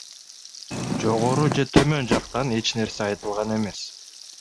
Жогору же төмөн жактан эч нерсе айтылган эмес.